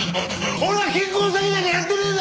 俺は結婚詐欺なんかやってねえんだ！